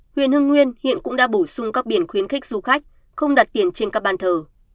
huyện hưng nguyên hiện cũng đã bổ sung các biển khuyến khích du khách không đặt tiền trên các bàn thờ